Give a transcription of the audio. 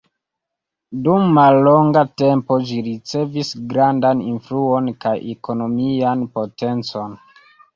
Dum mallonga tempo ĝi ricevis grandan influon kaj ekonomian potencon.